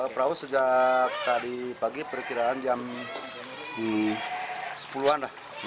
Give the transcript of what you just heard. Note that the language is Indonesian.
perahu sejak tadi pagi perkiraan jam sepuluh an lah